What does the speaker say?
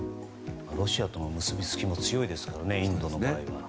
ロシアとの結びつきが強いですからねインドの場合は。